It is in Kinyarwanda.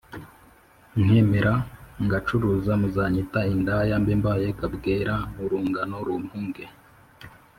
Nkemera ngacuruza Muzanyita indaya Mbe mbaye kabwera Urungano rumpunge